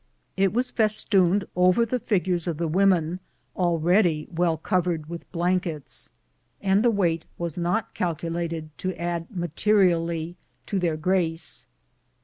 It was festooned over the figures of the women already well covered with blankets, and the weight was not calculated to add materially to their grace.